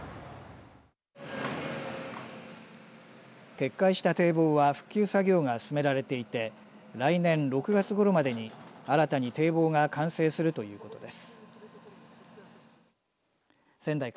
決壊した堤防は復旧作業が進められていて来年６月ごろまでに新たに堤防が完成するということです。